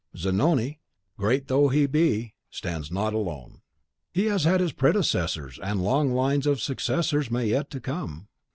Zanoni, great though he be, stands not alone. He has had his predecessors, and long lines of successors may be yet to come."